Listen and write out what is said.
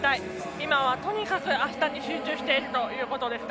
今はとにかくあしたに集中しているということでした。